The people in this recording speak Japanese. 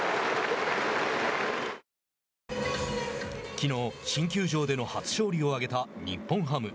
きのう、新球場での初勝利を挙げた日本ハム。